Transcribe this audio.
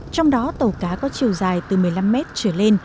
trong đó tàu cá có chiều dài từ một mươi năm mét trở lên